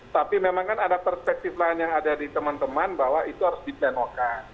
tapi memang kan ada perspektif lain yang ada di teman teman bahwa itu harus di plenokan